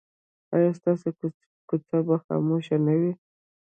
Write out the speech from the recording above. ایا ستاسو کوڅه به خاموشه نه وي؟